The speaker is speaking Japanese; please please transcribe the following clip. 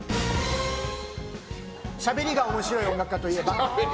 しゃべりが面白い音楽家といえば？